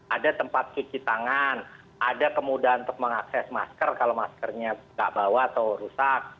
ada tempat cuci tangan ada kemudahan untuk mengakses masker kalau maskernya nggak bawa atau rusak